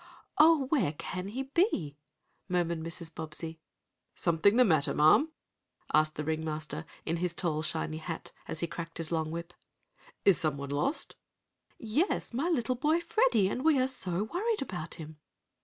"Oh, where can he be?" murmured Mrs. Bobbsey. "Something the matter, ma'am?" asked the ring master, in his shiny tall hat, as he cracked his long whip. "Is someone lost?" "Yes, my little boy Freddie, and we are so worried about him!"